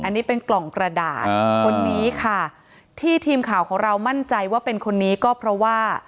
อันนี้เป็นกล่องกระดาษคนนี้ค่ะที่ทีมข่าวของเรามั่นใจว่าเป็นคนนี้ก็เพราะว่า